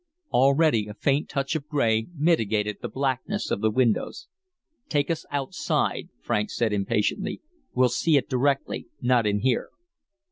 Already a faint touch of gray mitigated the blackness of the windows. "Take us outside," Franks said impatiently. "We'll see it directly, not in here."